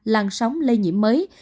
làn sóng lây nhiễm mới